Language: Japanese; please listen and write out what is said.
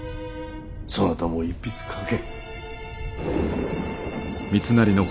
そなたも一筆書け。